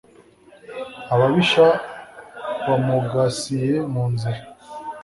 Ababisha bamugasiye mu nzira.